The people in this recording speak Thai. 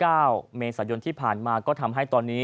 จำนวนนักท่องเที่ยวที่เดินทางมาพักผ่อนเพิ่มขึ้นในปีนี้